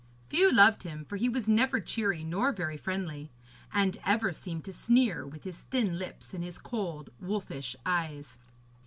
Few loved him, for he was never cheery nor very friendly, and ever seemed to sneer with his thin lips and his cold wolfish eyes.